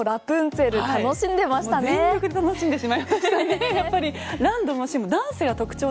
ちはるさんもラプンツェル楽しんでましたね。